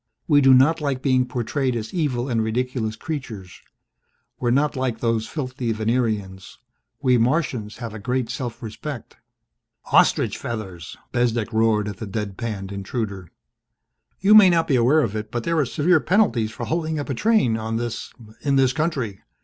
We do not like being portrayed as evil and ridiculous creatures. We're not like those filthy Venerians. We Martians have a great self respect." "Ostrich feathers!" Bezdek roared at the dead panned intruder. "You may not be aware of it but there are severe penalties for holding up a train on this in this country.